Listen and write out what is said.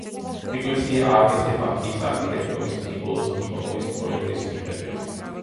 ეკლესია ააგეს ეპარქიის არქიტექტორის ნიკოლოზ ნიკონოვის პროექტის მიხედვით.